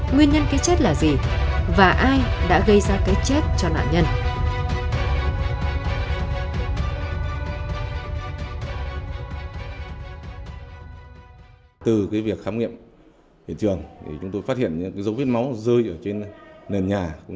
nguyên nhân của nạn nhân là nạn nhân